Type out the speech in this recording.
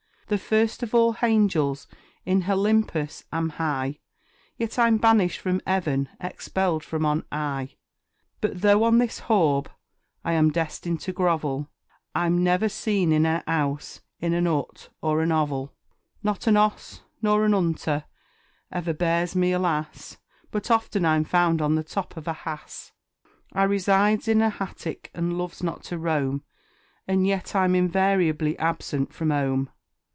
The first of all Hangels, in Holympus am Hi, Yet I'm banished from 'Eaven, expelled from on 'Igh. But though on this Horb I am destined to grovel, I'm ne'er seen in an 'Ouse, in an 'Ut, nor an 'Ovel; Not an 'Oss nor an 'Unter e'er bears me, alas! But often I'm found on the top of a Hass. I resides in a Hattic, and loves not to roam, And yet I'm invariably absent from 'Ome.